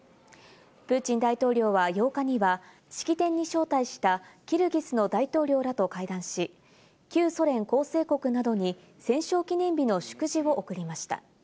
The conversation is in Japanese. プーチン大統領は８日には式典に招待したキルギスの大統領らと会談し、旧ソ連構成国などに戦勝記念日の祝辞を送りました。